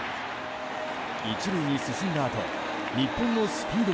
１塁に進んだあと日本のスピード